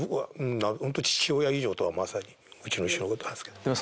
ホント父親以上とはまさにうちの師匠のことなんですけど。